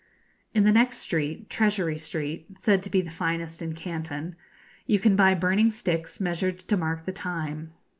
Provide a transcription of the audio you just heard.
In the next street, Treasury Street (said to be the finest in Canton), you can buy burning sticks measured to mark the time.